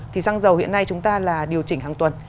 thì xăng dầu hiện nay chúng ta là điều chỉnh hàng tuần